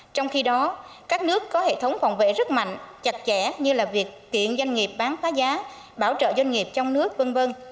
trong khi đó các nước có hệ thống phòng vệ rất mạnh chặt chẽ như là việc kiện doanh nghiệp bán phá giá bảo trợ doanh nghiệp trong nước v v